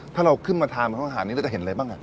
ถ้าเราขึ้นมาทานอาหารนี้เราจะเห็นอะไรบ้าง